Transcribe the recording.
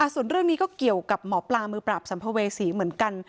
ส่วนเรื่องนี้ก็เกี่ยวกับหมอปลามือปราบสัมภเวษีเหมือนกัน